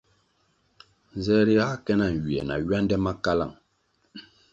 Nze ri ga ke na nywie na ywande ma kalang.